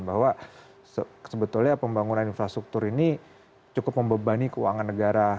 bahwa sebetulnya pembangunan infrastruktur ini cukup membebani keuangan negara